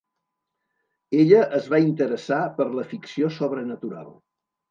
Ella es va interessar per la ficció sobrenatural.